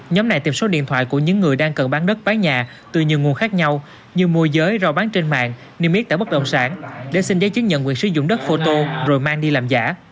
nhóm này tìm số điện thoại của những người đang cần bán đất bán nhà từ nhiều nguồn khác nhau như môi giới rồi bán trên mạng niêm yết tại bất động sản để xin giấy chứng nhận quyền sử dụng đất photo rồi mang đi làm giả